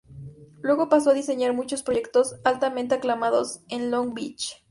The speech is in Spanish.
Luego pasó a diseñar muchos proyectos altamente aclamados en Long Beach.